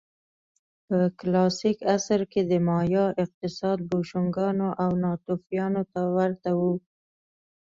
په کلاسیک عصر کې د مایا اقتصاد بوشونګانو او ناتوفیانو ته ورته و